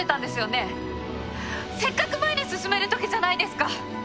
せっかく前に進めるときじゃないですか。